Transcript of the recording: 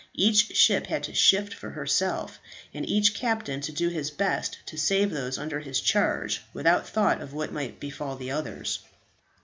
Each ship had to shift for herself; and each captain to do his best to save those under his charge, without thought of what might befall the others.